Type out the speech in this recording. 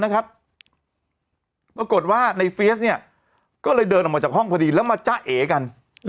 ปรากฏว่าในเฟียสเนี่ยก็เลยเดินออกมาจากห้องพอดีแล้วมาจ้าเอกัน